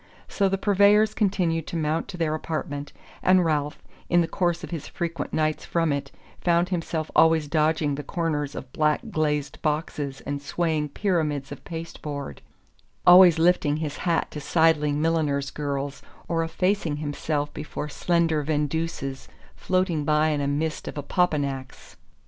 So the purveyors continued to mount to their apartment, and Ralph, in the course of his frequent nights from it, found himself always dodging the corners of black glazed boxes and swaying pyramids of pasteboard; always lifting his hat to sidling milliners' girls, or effacing himself before slender vendeuses floating by in a mist of opopanax.